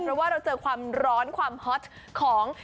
เพราะว่าเราเจอความร้อนความฮอตของ